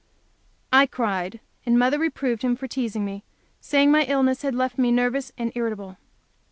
I cried, and mother reproved him for teasing me, saying my illness had left me nervous and irritable.